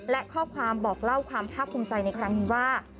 และข้อความบอกเล่าความภาคภูมิใจในครั้งนี้ว่า